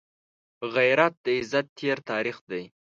غیرت د عزت تېر تاریخ دی